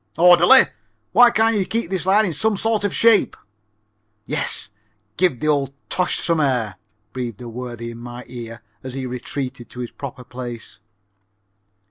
"Orderly! why can't you keep this line in some sort of shape?" "Yes, give the old tosh some air," breathed a worthy in my ear as he retreated to his proper place.